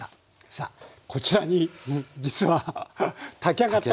さあこちらに実は炊き上がったものが。